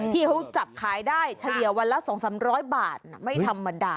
ที่เขาจับขายได้เฉลี่ยวันละ๒๓๐๐บาทไม่ธรรมดา